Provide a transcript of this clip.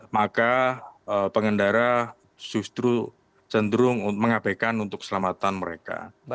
maka pengendara justru cenderung mengabekan untuk keselamatan mereka